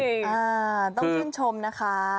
ต้องชื่นชมนะคะ